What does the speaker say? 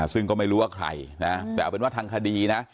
ซึ่งก็ไม่รู้ว่าใครนะแต่เอาเป็นว่าทางคดีนะ